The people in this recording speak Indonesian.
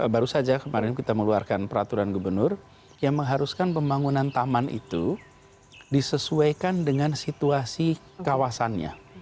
baru saja kemarin kita mengeluarkan peraturan gubernur yang mengharuskan pembangunan taman itu disesuaikan dengan situasi kawasannya